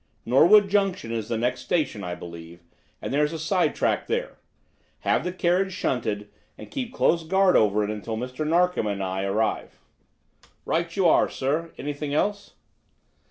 Norwood Junction is the next station, I believe, and there's a side track there. Have the carriage shunted, and keep close guard over it until Mr. Narkom and I arrive." "Right you are, sir. Anything else?"